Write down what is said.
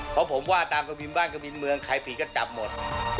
เพราะผมว่าตามกระบินบ้านกระบินเมืองใครผิดก็จับหมด